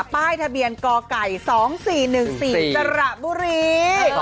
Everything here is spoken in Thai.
ป้ายทะเบียนกไก่๒๔๑๔สระบุรี